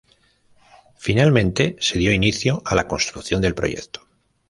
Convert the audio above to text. Finalmente, se dio inicio a la construcción del proyecto.